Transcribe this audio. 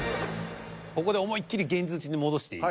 ここで思いっ切り現実に戻していい？